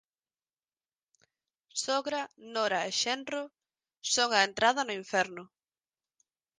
Sogra, nora e xenro, son a entrada no inferno